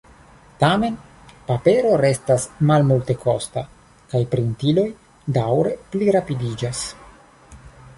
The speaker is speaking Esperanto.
Tamen, papero restas malmultekosta, kaj printiloj daŭre plirapidiĝas.